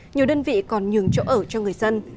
nhiều đơn vị còn nhường chỗ ở cho người dân